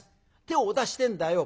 手をお出しってんだよ。